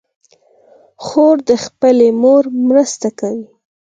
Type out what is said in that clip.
خور د خپلې مور مرسته کوي.